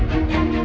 aku mau pergi